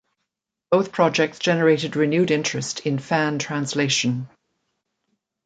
Both projects generated renewed interest in fan translation.